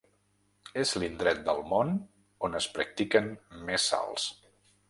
És l’indret del món on es practiquen més salts.